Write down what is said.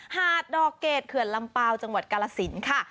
หาดด่อเกรดขือลำเปล่าจังหวัดกาลาซิลค่ะ